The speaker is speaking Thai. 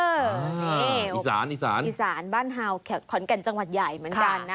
นี่อีสานอีสานบ้านฮาวขอนแก่นจังหวัดใหญ่เหมือนกันนะ